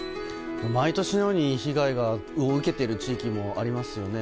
毎年のように被害を受けている地域もありますよね。